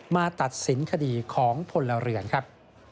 มาตัดสินคดีของผลเหลืองครับ